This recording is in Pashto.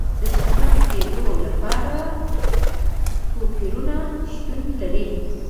د شتمن کېدو لپاره توپیرونه شتون لري.